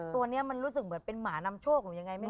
ตัวนี้มันรู้สึกเหมือนเป็นหมานำโชคหรือยังไงไม่รู้